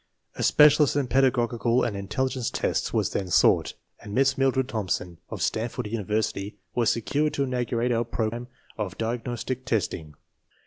A specialist in pedagogical and intelligence tests was then sought, and Miss Mildred Thomson, of Stanford University, was secured to inaugurate our program of I diagnostic testing.